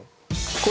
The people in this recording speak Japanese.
これ？